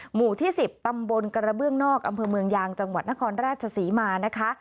หมู่ที่๑๐ตำบลกระเบื้องนอกอำเภอเมืองยางจังหวัดนครราชศรีมานะคะ